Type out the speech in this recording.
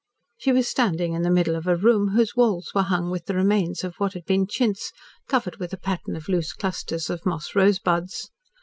She was standing in the middle of a room whose walls were hung with the remains of what had been chintz, covered with a pattern of loose clusters of moss rosebuds.